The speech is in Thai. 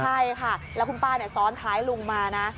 ใช่ค่ะแล้วคุณป้าซ้อนท้ายลุงมานะ